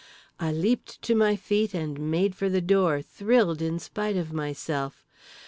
I leaped to my feet and made for the door, thrilled in spite of myself.